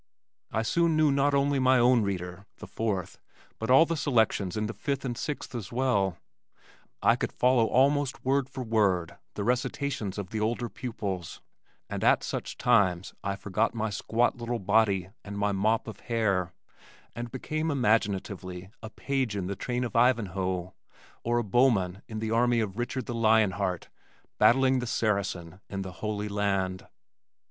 I soon knew not only my own reader, the fourth, but all the selections in the fifth and sixth as well. I could follow almost word for word the recitations of the older pupils and at such times I forgot my squat little body and my mop of hair, and became imaginatively a page in the train of Ivanhoe, or a bowman in the army of Richard the Lion Heart battling the Saracen in the Holy Land.